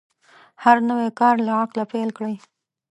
هر نوی کار له عقله پیل کړئ.